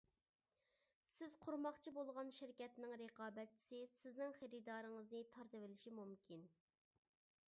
سىز قۇرماقچى بولغان شىركەتنىڭ رىقابەتچىسى سىزنىڭ خېرىدارىڭىزنى تارتىۋېلىشى مۇمكىن.